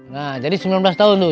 nah jadi sembilan belas tahun tuh